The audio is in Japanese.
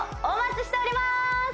お待ちしております